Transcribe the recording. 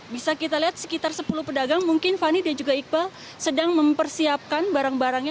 bisa kita lihat sekitar sepuluh pedagang mungkin fani dan juga iqbal sedang mempersiapkan barang barangnya